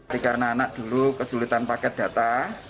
tiga anak anak dulu kesulitan paket data